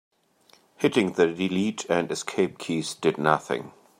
Hitting the delete and escape keys did nothing.